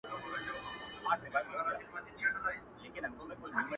له خوښیو په جامو کي نه ځاېږي,